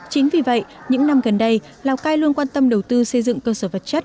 chính vì vậy những năm gần đây lào cai luôn quan tâm đầu tư xây dựng cơ sở vật chất